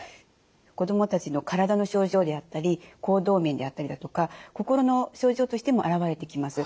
子どもたちの体の症状であったり行動面であったりだとか心の症状としても現れてきます。